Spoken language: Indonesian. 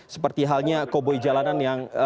seperti halnya koboi jalanan yang